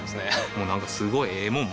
もうなんかすごいええもん